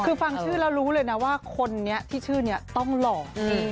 คุณฟังชื่อแล้วรู้เลยว่าคนนี้ต้องหล่อน